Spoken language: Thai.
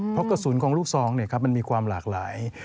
เพราะกระสุนของลูกซองมันมีความหลากหลาย